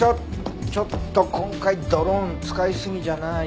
ちょっと今回ドローン使いすぎじゃない？